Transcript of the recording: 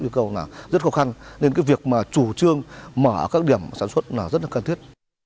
do rất khó khăn nên việc chủ trương mở các điểm sản xuất rất là cần thiết